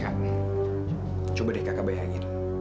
kami coba deh kakak bayangin